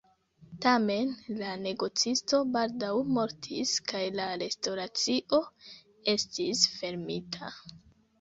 Tamen la negocisto baldaŭ mortis kaj la restoracio estis fermita.